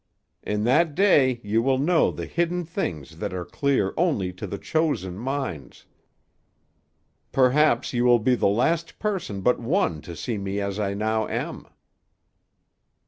In that day you will know the hidden things that are clear only to the chosen minds. Perhaps you will be the last person but one to see me as I now am.